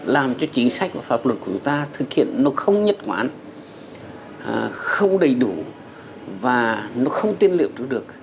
làm cho chính sách và pháp luật của người ta thực hiện nó không nhất quán không đầy đủ và nó không tiên liệu được